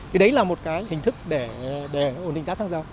thì đấy là một cái hình thức để ổn định giá xăng dầu